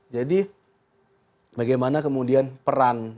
jadi bagaimana kemudian peran